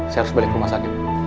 saya harus balik ke rumah sakit